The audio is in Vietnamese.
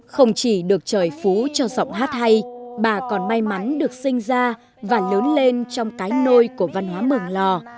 không chỉ được trời phú cho giọng hát hay bà còn may mắn được sinh ra và lớn lên trong cái nôi của văn hóa mường lò